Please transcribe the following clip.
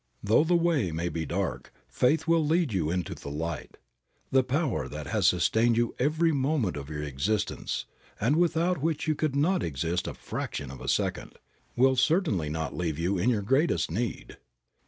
Though the way may be dark faith will lead you into the light. The Power that has sustained you every moment of your existence, and without which you could not exist a fraction of a second, will certainly not leave you in your greatest need.